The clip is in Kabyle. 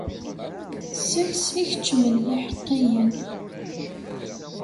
Seg-s i keččmen yiḥeqqiyen.